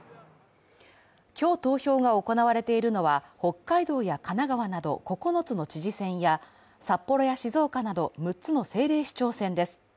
今日投票が行われているのは北海道や神奈川など９つの知事選や札幌や静岡など６つの政令市長選です。